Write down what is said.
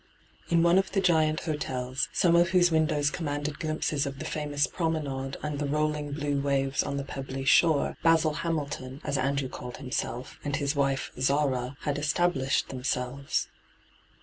In one of the giant hotels, some of whose windows commanded glimpses of the famous Promenade and the rolling blue waves on the pebbly shore, ' Basil Hamilton,' as Andrew called himself, and his wife ' Zara,' had established themselves.